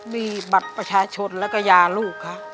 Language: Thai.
มีบัตรประชาชนแล้วก็ยาลูกค่ะ